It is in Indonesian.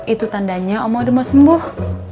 itu tandanya omah udah mau sembuh